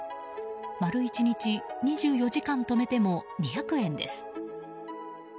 丸一日２４時間止めても２００円です。